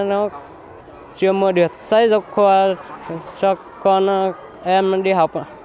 nó chưa mua được sách giáo khoa cho con em đi học